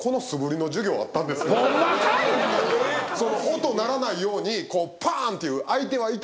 音ならないようにこうパーンっていう。